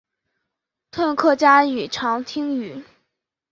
通用客家语长汀话。